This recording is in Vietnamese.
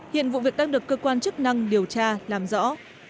hiện vụ việc đang được cơ quan chức năng điều tra làm rõ